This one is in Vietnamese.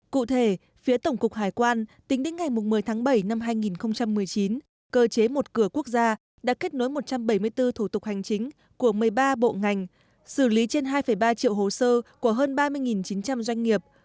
cụ thể phía tổng cục hải quan tính đến ngày một mươi tháng bảy năm hai nghìn một mươi chín cơ chế một cửa quốc gia đã kết nối một trăm bảy mươi bốn thủ tục hành chính của một mươi ba bộ ngành xử lý trên hai ba triệu hồ sơ của hơn ba mươi chín trăm linh doanh nghiệp